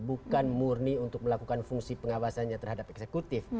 bukan murni untuk melakukan fungsi pengawasannya terhadap eksekutif